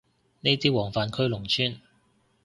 呢啲黃泛區農村